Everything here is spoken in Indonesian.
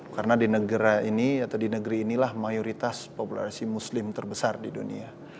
karena di negara ini atau di negeri inilah mayoritas populasi muslim terbesar di dunia